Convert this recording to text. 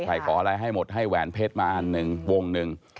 ขออะไรให้หมดให้แหวนเพชรมาอันหนึ่งวงหนึ่ง